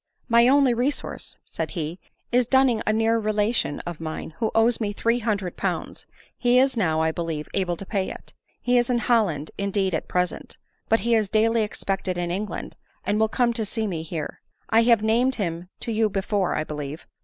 " My only resource," said he, " is dunning a near rela tion of mine who owes me three hundred pounds ; he is now, 1 believe, able to pay it. He is in Holland, indeed, at present ; but he is daily expected in England, and will come to see me here. I have named him to you before, I believe.